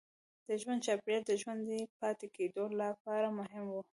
د ژوند چاپېریال د ژوندي پاتې کېدو لپاره مهم و.